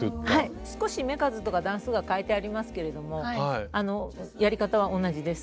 少し目数とか段数が変えてありますけれどもやり方は同じです。